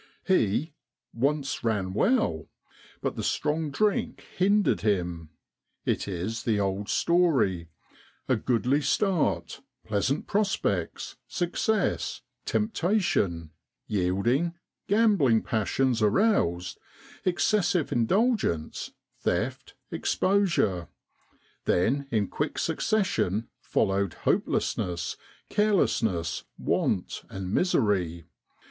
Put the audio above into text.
He ' once ran well,' but the strong drink hindered him. It is the old story a goodly start, pleasant prospects, success, temptation, yielding, gambling passions aroused, excessive indulgence, theft, exposure: then in quick succession followed hopelessness, carelessness, want, and misery.